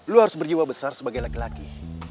lu harus berjiwa besar sebagai laki laki